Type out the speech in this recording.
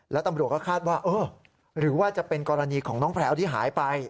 แล้วตำรวจก็คาดว่าเออหรือว่าจะเป็นกรณีของน้องแพลวที่หายไป